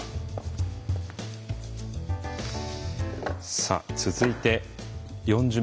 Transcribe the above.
さあ続いて４巡目。